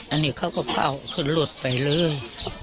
อันนี้เขาก็เผ่าคือหลุดไปเลย